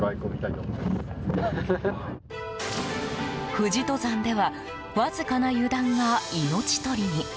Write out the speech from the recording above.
富士登山ではわずかな油断が命取りに。